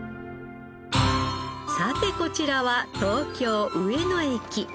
さてこちらは東京上野駅。